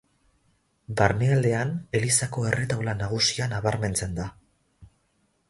Barnealdean, elizako erretaula nagusia nabarmentzen da.